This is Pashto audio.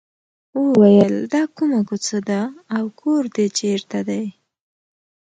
وویل دا کومه کوڅه ده او کور دې چېرته دی.